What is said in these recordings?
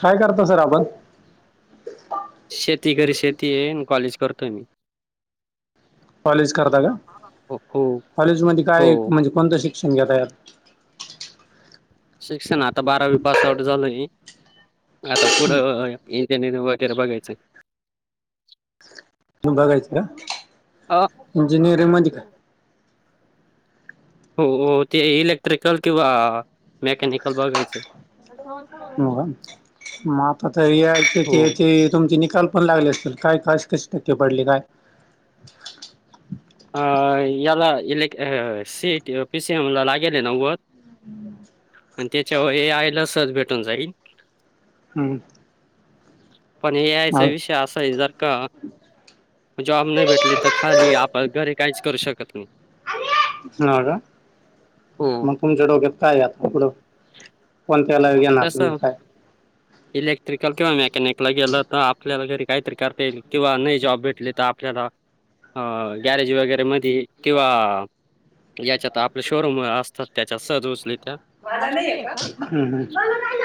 काय करत सर आपण. शेती घरी शेती हे एन कॉलेज. करतोय मी. कॉलेज करता का हो हो कॉलेज मध्ये काय हो म्हणजे कोणतं शिक [unintelligible] शिक्षण आता बारावी पास आउट झालय. आता पुड ए [unintelligible] वगैरे बघायचं. त बघायच का अ इंजिनियरिंग म्हणजे काय? हो हो ते इलेक्ट्रिकल किंवा मेकॅनिकल बघायच हे. म आता तरी याची हो. त्याची [unintelligible] मग आता तुम ल पण लागले असतीलल काय कास [unintelligible] कशी टक्के पडले काय? ह याला इलेक अ सी एटी पीसीएमला लागेल आहे नव्वद आणि त्याच्यावर ए आयला सच भेटून जाईल. हम्म. पण हे एआय हो चा विषय असा आहे जर का जॉब नाही भेटली तर खाली आप घरी काहीच करू शकत नाही. ह हो मग तुमच्या डोक्यात काय आता पुढं कोण त्याला घे ना तुम्ही काय तसं इलेक्ट्रिकल किंवा मॅक गेला तरता आपल्याला काहीतरी करता येईल किंवा नाही जॉब भेटले तर आपल्याला अ गॅरेज वगैरे म किंवा याच्यातता आपले शोरूम असतात त्या च स् मला नाही य का मला नाही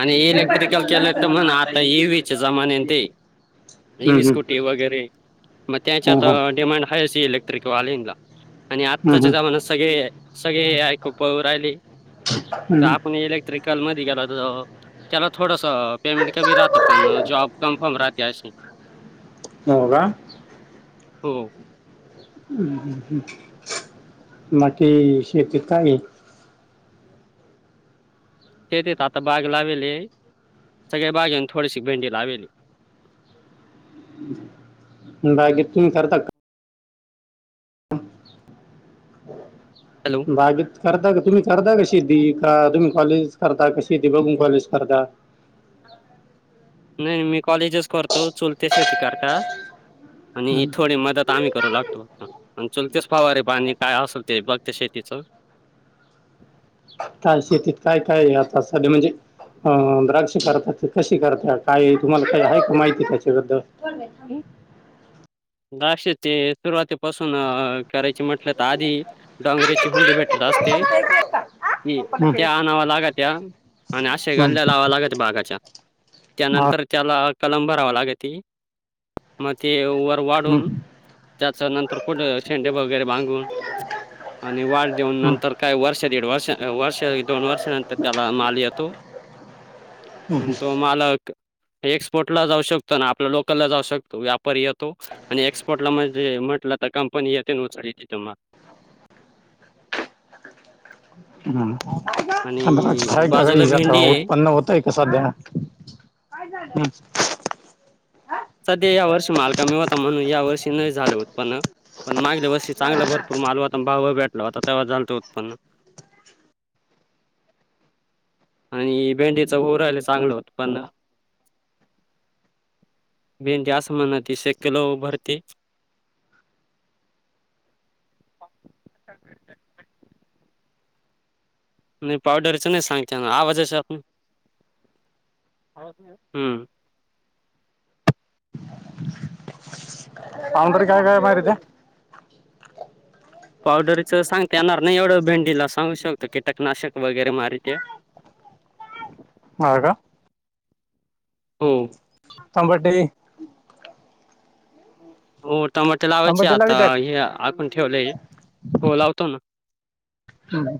आणि इलेक्ट्रिकल केलं तर म्हण आता इई व्च्या जमान ते इ हम्म, व् हम्म. स्कूटी वगैरे मग हो त्याच्यात हो डिमांड हाच इलेक्ट कतिकवालेलीला आणि हम्म, हम्म. आत्ताच्या जमान्यात सगळे सगळे ऐकूप राहिले तर हम्म. आपण येले तररी काल मरी गला चला थोडं पेमेंट की राहात आपण हम्म. जॉब कन्फर्म राह त्याश नाही होव का हो हम् हम् हम् मट शेती काई तेेतेत आता बाग लावेली सगळ्या बाग येऊन थोडीशी भेंडी लावेली बाकी तुम्ही करताात हन हॅलो बागी करता का तुम्ही करता कशी ती का तुम्ही कॉलेज करता कशी त बघून कॉलेज करता नाही मी कॉलेजच करतो चुलते शेती कर का आणि हं. थोडी मदत आम्ही करू लागतो आणि चुलते पवारीे पाणी काय असल ते बघते शेतीच का शेतीत काय काय आता सध म्हणजे अ द्राक्ष करतात ते कशी करत काय तुम्हाला काही आहे का माहितीय त्याच्याबद्दल कोण हाय सांग दक्ष ते सुरुवातीपासून करायचे म्हटलं तर आधी डोंगरची हुंडी भेटत असते पप्पा येतात का? कि पप्पा हं. कधी त्या येतात? आणाव लागत त्या आणि असशे हं, गाल्ल्या लावा लागत बागाच्या हा. त्यानंतर त्याला कलंगडवाला यकी मिरची व्व हं. वाढून त्याच नंतर पुढं शेंडे वगैरे बांगून आणि वाढ देऊन हं. नंतर काही वर्ष दीड वर्ष वर्ष ये दोन वर्षानंतर त्याला माल येतो आणि तो मालक एक्सपोर्ट ला जाऊ शकतो ना आपल्या लोकल ला जाऊ शकतो व्यापारी येतो तो आणि एक्सपोर्ट ला मध्ये म्हटलं तर कंपनी ते उचळी हम. राय का का बाजूला हचा भेंडी थोड आहे उत्पन्न होतय कसाध्या हं [unintelligible] झ्याक. ट. ट [unintelligible] सध्या या वर्षी माल कमी होता, म्हणून या वर्षी नाही झाले उत्पन्न, पण मागल्या वर्षी चांगलं भरपूर माल व्हता अन भाव भेटला होता. तव झालतं उत्पन्न. आणि भेंडीच होउ राहिला चांगलं होत उत्पन्न, भेंडी असं म्हण ती शेकल भरते- नाही पावडरच नाही सांग की, आवाजेचे आप हम्म- पाउडर काय काय मारित- पावडरचं सांगता येणार नाही, एवढं भेंडीला सांगू शकतो कीटकनाशक वगैरे मार ते- मार का [unintelligible] हो. चांवडेली [unintelligible] हो. टमाटे लावायचे तंबाटेला आता, विचार हे आकून ठेवलय हो लावतो ना, हम्.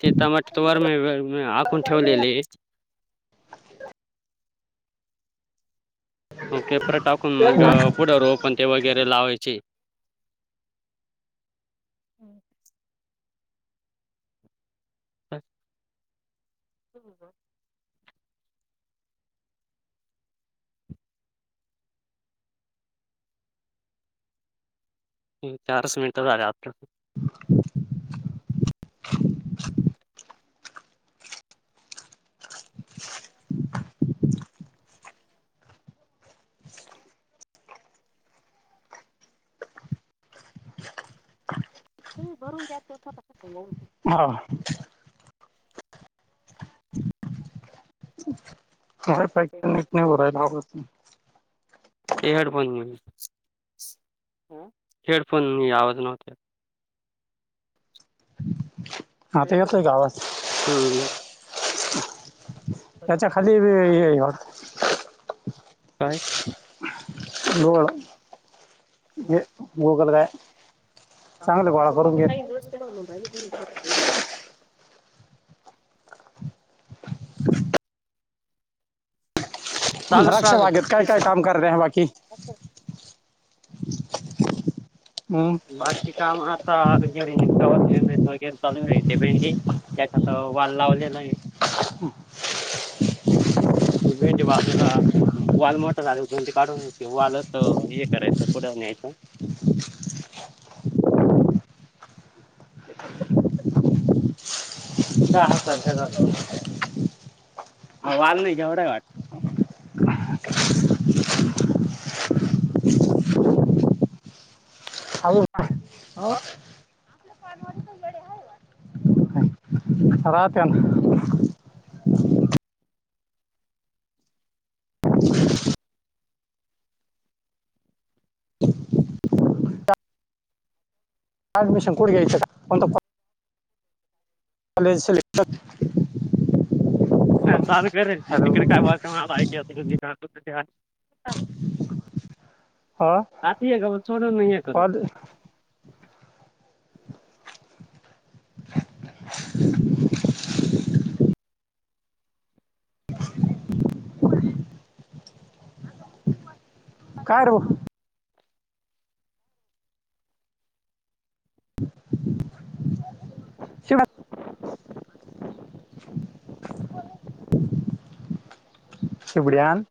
ते तमाट तोवर मी आकून ठेवलेले [unintelligible] मग पेपर टाकून मग पुढे रोप पण ते वगैरे लावायचे, हम. ब [unintelligible] ओह माय गॉड. [unintelligible] चार स [unintelligible] मिनट त आले आपलं ते भरून दव [unintelligible] हा नाही प नट नाही होयलाव [unintelligible] ते हेडफोन हा. हेडफोन आवाज नव्हता खख. खचॅ [unintelligible] येत. आता यतोय का आवाज? हम्म. अच्छा खाली वर- हे गोगल काय ह. चांगलं गोळा करून घे [unintelligible] राक्ष राहते बागेत फक्त काय काय काम केसाचं. कर र ह बाकी [unintelligible] [inaudible] हम्म. वारष काम आता घेरी गवात ने चालू राहिते, भेंडी त्याच्या वाल लावलेला आहे, भेंडी बाजूला- [inaudible] ट झां काढून किवालं तर हे करायचं पुढं [unintelligible] न्यायचं का सारख्या झा वाल नाही घेवढा वाट [unintelligible] अजून अ [unintelligible] राात ना [unintelligible] [inaudible] ॲडमिशन कुठ घ्यायचं कोणता फॉर्म? आले सिलेकटच ह चालू करन तिकडे काय ब हा आती का सोडून नाहीय करू कॉलेज [inaudible] हो [inaudible] काय आरव? शिवात शिबड्या आन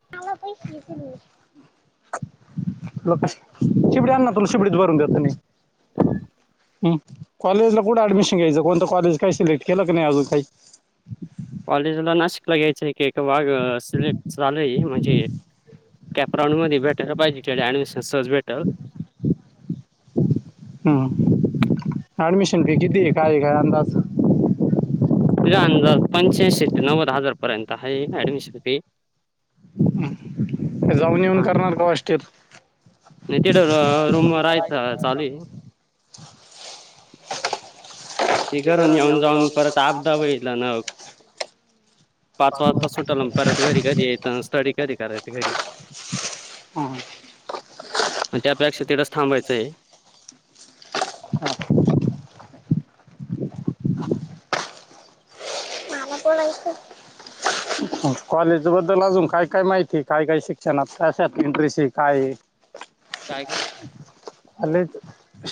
शिबड्या आन ना तुला शिबडीत भरून देतो. मी ह कॉलेजला कुठं ऍडमिशन घ्यायचं कोणतं कॉलेज? काही सिलेक्ट केलं काय नाही अजून काही कॉलेजला नाशिकला घ्यायचंय, की एका वागस सिलेक्ट झालय, म्हणजे कॅपराऊंड मध्ये भेटायला पाहिजे ऍडमिशन सहज भेटल. हम्म अऍडमिशन फी किती आहे काय काय अंदाज? तुझा अंदाज पंच्याऐंशी ते नव्वद हजार पर्यंत हाये ऍडमिशन फी जाऊन येऊन करणार का हॉस्टेल? नि तिथ रूमवर राहायचं चालूए ते करून येऊन जाऊन परत आपदा होईल न्हव पाच वाजता सुटल अन् परत घरी कधी येत अन् स्टडी कधी करायच घरी? त्यापेक्षा तिथच थांबायचंय. मला कॉलेज बद्दल अजून काय काय माहिती काय काय शिक्षणात कशात इंट्रेस ए काय ए? काय काय कॉलेज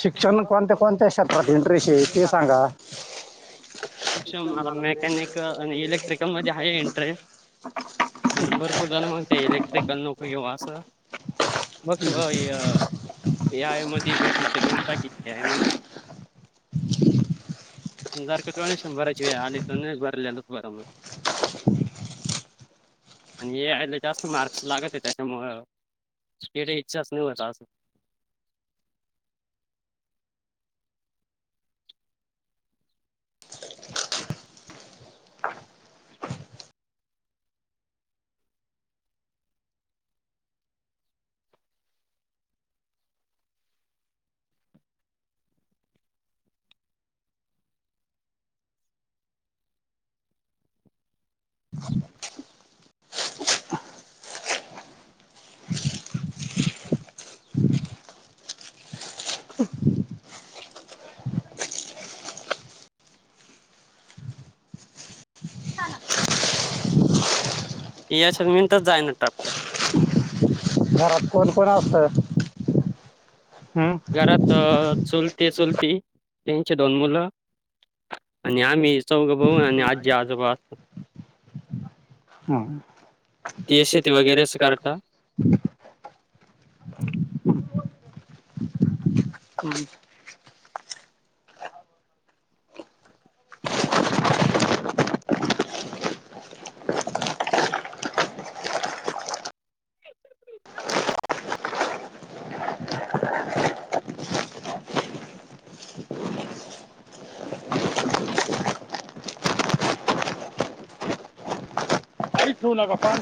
शिक्षण कोणत्या कोणत्या क्षेत्रात इंटरेस्ट आहे ते सांगा शिक्षण मेकॅनिक इलेक्ट्रिकल मध्ये हाये इंटरेस पण भरपूर जण म्हणतेत इलेक्ट्रिकल नको घेवू असं. ए य ए आय मध्ये भेटला तर घेऊन टाकीन, ए आय मध्ये शंभराची आली तर भरलेलच बर, मग आणि ए आय ला जास्त मार्क्स लागत त्याच्यामूळ, [unintelligible] चाच नाही होत अजून ह [inaudible] हा ना. इ अस मनतच जाई ना टपक्यात घरात कोण कोण असत? घरात चुलते, चुलती त्यांचे दोन मुलं आणि आम्ही चौघ भाऊ आणि आजी आजोबा हम्म. पी ते एस सी शेती वगैरेच अस करता [inaudible] काहीच ठेवू नका, पार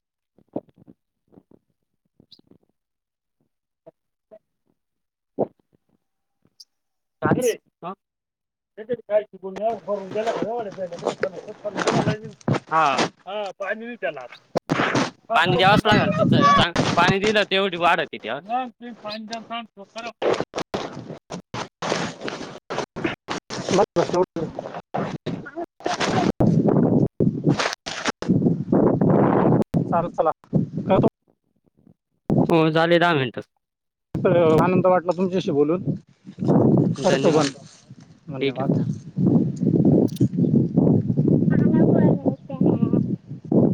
[unintelligible] चहा घे रे हां. भरून हा पाणी पाणी द्यावाच लागल तांग पाणी दिलं तेवढी ती वाढती ती [inaudible] [inaudible] चालेल चला. ठेवतो. हो झाले दहा मिनटच अरे वा आनंद वाटला तुमच्याशी बोलून करतो धन्यवाद बंद ठीक धन्यवाद. कोणाला बोलावत्याहा